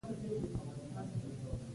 د رومیانو خوړل د سترګو روغتیا ته ګټه رسوي